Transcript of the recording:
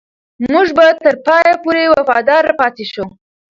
موږ به تر پایه پورې وفادار پاتې شو.